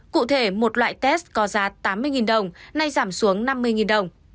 cụ thể một loại test có giá tám mươi đồng nay giảm xuống năm mươi đồng